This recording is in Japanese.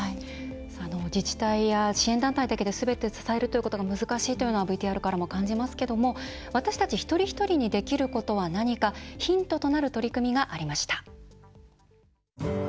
自治体や支援団体だけですべて支えるということが難しいというのはＶＴＲからも感じますけども私たち一人一人にできることは何か、ヒントとなる取り組みがありました。